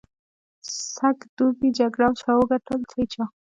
سږ دوبي جګړه چا وګټل؟ هېچا.